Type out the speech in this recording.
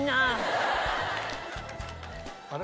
あれ？